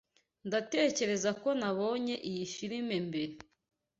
Ndatekereza ko nabonye iyi firime mbere.